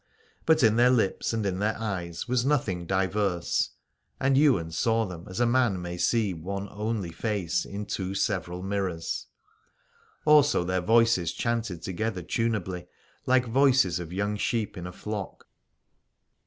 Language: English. But in their lips and in their eyes was nothing diverse, and Ywain saw them as a man may see one only face in two several mirrors : also their voices chanted together tuneably, like voices of young sheep in a flock.